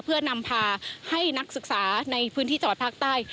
เพื่อนำพาให้นักศึกษาในพื้นที่จังหวัดภาคใต้